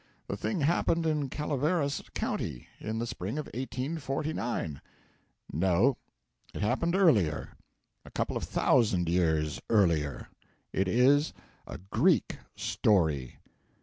The thing happened in Calaveras County, in the spring of 1849.' 'No; it happened earlier a couple of thousand years earlier; it is a Greek story.'